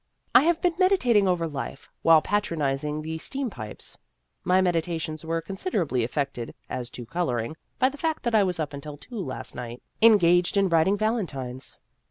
I have been meditating over life, while patronizing the steam pipes. My medita tions were considerably affected as to coloring by the fact that I was up until two last night, engaged in writing valen tines.